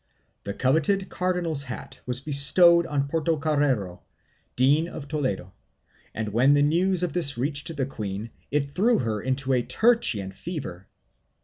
The coveted cardinal's hat was bestowed on Portocarrero, Dean of Toledo, and when the news of this reached the queen it threw her into a tertian fever.